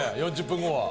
４０分後は。